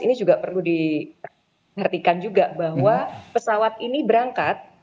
ini juga perlu diperhatikan juga bahwa pesawat ini berangkat